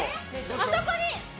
あそこに！